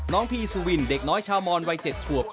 น้องพี่ซูวินเด็กน้อยชาวมอนวัย๗ขวบ